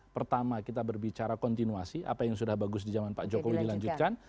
pertama kita berbicara kontinuasi apa yang sudah bagus di zaman pak jokowi dilanjutkan